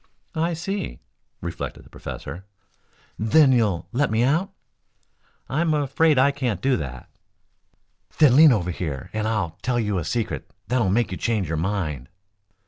"I see," reflected the professor. "Then you'll let me out?" "I am afraid I can't do that." "Then lean over here and I'll tell you a secret that'll make you change your mind."